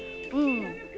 うん。